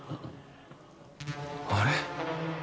あれ？